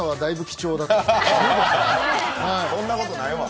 そんなことないわ。